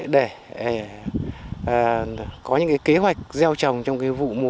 để có những cái kế hoạch gieo trồng trong cái vụ